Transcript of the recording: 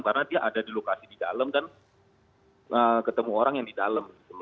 karena dia ada di lokasi di dalam dan ketemu orang yang di dalam